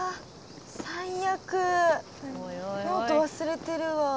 ノート忘れてるわあ。